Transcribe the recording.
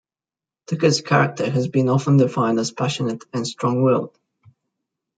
Tucker's character has been often defined as passionate and strong willed.